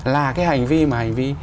là cái hành vi mà hành vi